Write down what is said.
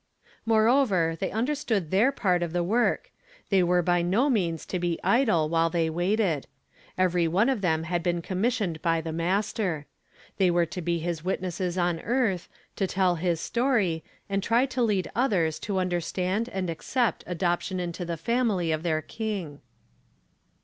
Moreover, they undei stood their part of the work; they were by no means to be idle while they waited. Every one of them had been com missioned by the Master. They were to be his witnesses on earth, t,, tell his story, and try to lead othei s to understand and accept adoption into the family of their King.